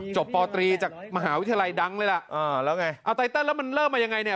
ปตรีจากมหาวิทยาลัยดังเลยล่ะเออแล้วไงเอาไตเติลแล้วมันเริ่มมายังไงเนี่ย